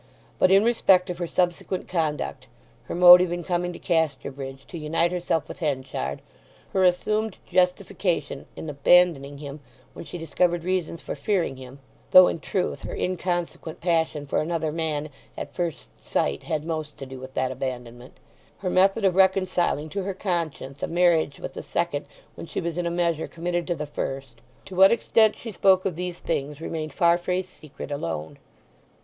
But in respect of her subsequent conduct—her motive in coming to Casterbridge to unite herself with Henchard—her assumed justification in abandoning him when she discovered reasons for fearing him (though in truth her inconsequent passion for another man at first sight had most to do with that abandonment)—her method of reconciling to her conscience a marriage with the second when she was in a measure committed to the first: to what extent she spoke of these things remained Farfrae's secret alone.